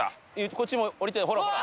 こっちにも下りたよほらほら。